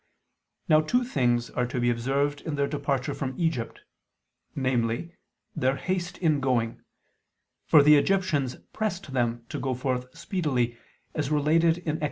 Now two things are to be observed in their departure from Egypt: namely, their haste in going, for the Egyptians pressed them to go forth speedily, as related in Ex.